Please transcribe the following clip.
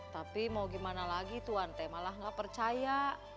tapi mau gimana lagi tuan teh malah gak percaya